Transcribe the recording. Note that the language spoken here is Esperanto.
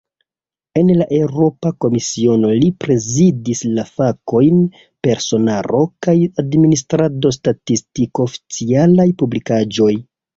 En la Eŭropa Komisiono, li prezidis la fakojn "personaro kaj administrado, statistiko, oficialaj publikaĵoj".